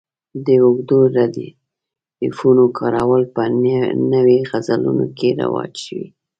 د اوږدو ردیفونو کارول په نویو غزلونو کې رواج شوي.